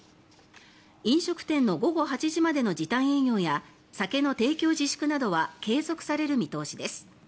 飲食店の午後８時までの時短営業や酒の提供自粛などは継続される見通しです。